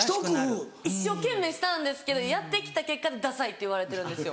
一生懸命したんですけどやって来た結果ダサいって言われてるんですよ